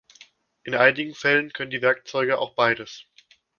In einigen Fällen können die Werkzeuge auch beides.